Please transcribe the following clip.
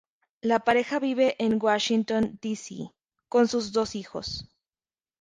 La pareja vive en Washington D. C. con sus dos hijos.